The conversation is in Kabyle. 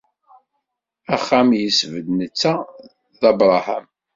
Axxam i yesbedd netta d Abraham.